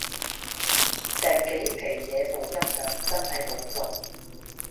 成幾皮野部音響真係好貴